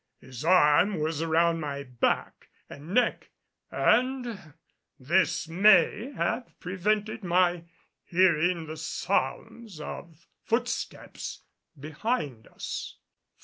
His arm was around my back and neck and this may have prevented my hearing the sound of footsteps behind us.